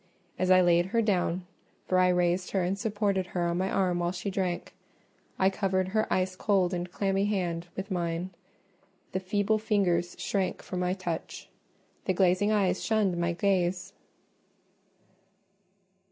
As I laid her down—for I raised her and supported her on my arm while she drank—I covered her ice cold and clammy hand with mine: the feeble fingers shrank from my touch—the glazing eyes shunned my gaze.